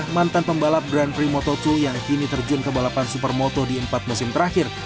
mantan pembalap grand prix moto dua yang kini terjun ke balapan supermoto di empat musim terakhir